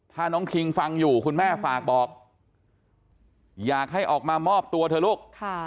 ถ้าน้องคิงฟังอยู่คุณแม่ฝากบอกอยากให้ออกมามอบตัวเถอะลูก